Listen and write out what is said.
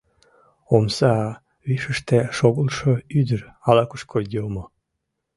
Омса вишыште шогылтшо ӱдыр ала-кушко йомо.